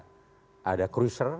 bisa jadi ada cruiser